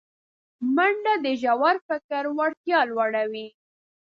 منډه د ژور فکر وړتیا لوړوي